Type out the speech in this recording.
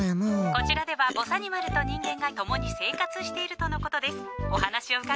こちらではぼさにまると人間が共に生活しているとのことです。